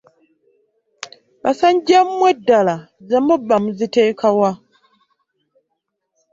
Basajja mmwe ddala ze mubba muziteeka wa?